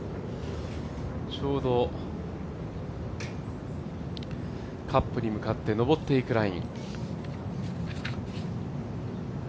ちょうどカップに向かって上っていくライン。